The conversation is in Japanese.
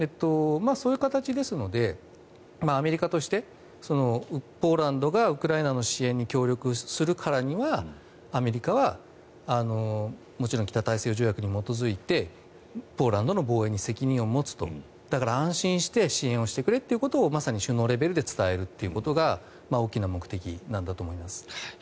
そういう形ですのでアメリカとしてポーランドがウクライナの支援に協力するからにはアメリカはもちろん北大西洋条約に基づいてポーランドの防衛に責任を持つとだから、安心して支援をしてくれってことをまさに首脳レベルで伝えるということが大きな目的なんだと思います。